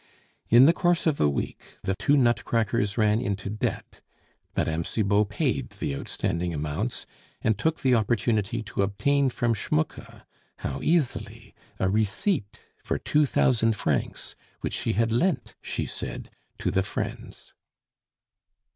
In the course of a week, the two nutcrackers ran into debt; Mme. Cibot paid the outstanding amounts, and took the opportunity to obtain from Schmucke (how easily!) a receipt for two thousand francs, which she had lent, she said, to the friends.